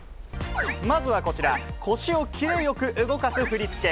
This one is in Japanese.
まずはこちら、腰をキレよく動かす振り付け。